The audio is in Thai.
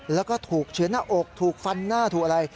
แล้วก็ถูกเฉือนหน้าอกถูกฟันหน้าถูกอะไร